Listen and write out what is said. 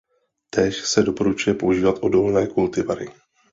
Též se doporučuje používat odolné kultivary.